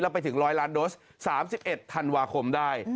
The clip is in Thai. ไปถึง๑๐๐ล้านโดส๓๑ธันวาคมได้